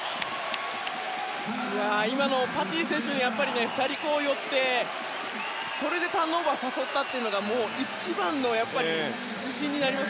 今のパティ選手に２人寄ってターンオーバーを誘ったのが一番の自信になります